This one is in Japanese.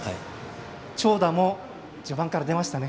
長打も前半から出ました。